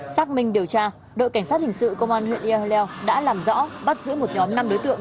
xác minh điều tra đội cảnh sát hình sự công an huyện yang leo đã làm rõ bắt giữ một nhóm năm đối tượng